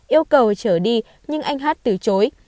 yêu cầu trở đi nhưng anh h t h từ chối